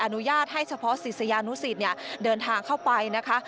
อนุญาตให้เฉพาะศิษยานุสิตเดินทางเข้าไปนะคะ